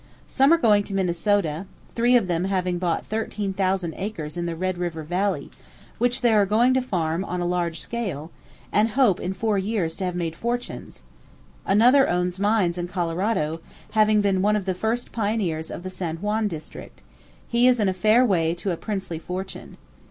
Some are going into Minnesota, three of them having bought 13,000 acres in the Red River valley, which they are going to farm on a large scale, and hope in four years to have made fortunes, another owns mines in Colorado, having been one of the first pioneers of the San Juan district; he is in a fair way to a princely fortune.